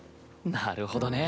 なるほどね。